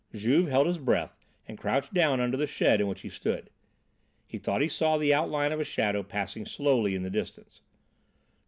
Juve held his breath and crouched down under the shed in which he stood; he thought he saw the outline of a shadow passing slowly in the distance.